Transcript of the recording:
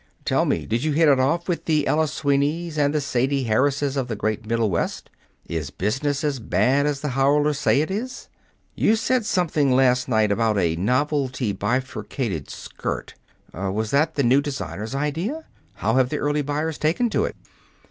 "Tell me, did you hit it off with the Ella Sweeneys and the Sadie Harrises of the great Middle West? Is business as bad as the howlers say it is? You said something last night about a novelty bifurcated skirt. Was that the new designer's idea? How have the early buyers taken to it?"